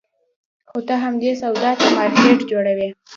خو ته همدې سودا ته مارکېټ جوړوې.